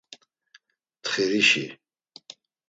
Ntxirişi.